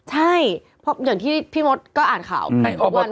ใช่เหมือนที่พี่มดก็อ่านข่าว